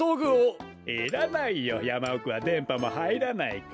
いらないよやまおくはでんぱもはいらないから。